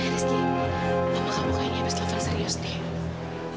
rizky mama kamu kayaknya berselavah serius deh